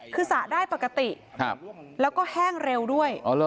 คือสระได้ปกติแล้วก็แห้งเร็วด้วย